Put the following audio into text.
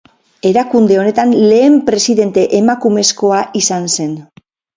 Erakunde honetan lehen presidente emakumezkoa izan zen.